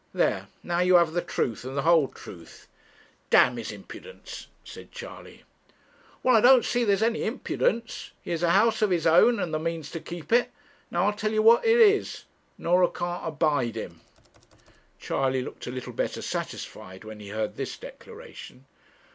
There, now you have the truth, and the whole truth.' 'D his impudence!' said Charley. 'Well, I don't see that there's any impudence. He has a house of his own and the means to keep it. Now I'll tell you what it is. Norah can't abide him ' Charley looked a little better satisfied when he heard this declaration.